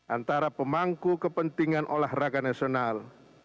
antara pemangku kepentingan olahraga nasional